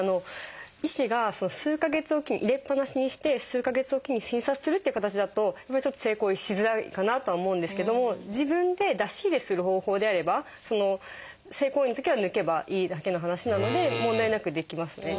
医師が数か月おきに入れっぱなしにして数か月おきに診察するっていう形だとちょっと性行為しづらいかなとは思うんですけども自分で出し入れする方法であれば性行為のときは抜けばいいだけの話なので問題なくできますね。